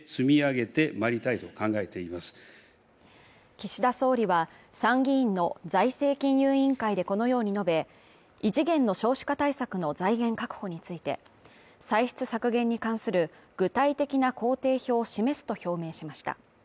岸田総理は参議院の財政金融委員会でこのように述べ、異次元の少子化対策の財源確保について歳出削減に関する具体的な工程表を示すと表明しました。